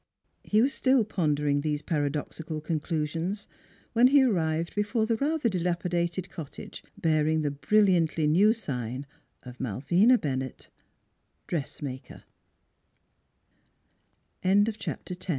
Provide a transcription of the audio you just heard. He was still pondering these paradoxical con clusions when he arrived before the rather dilapi dated cottage, bearing the brilliantly new sign of Malvina B